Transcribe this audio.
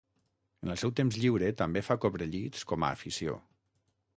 En el seu temps lliure, també fa cobrellits com a afició.